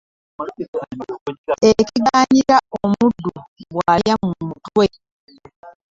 Ekiganiira omuddu bwa lya mumutwe .